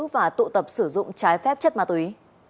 và tụ tập sử dụng trái phép chất ma túy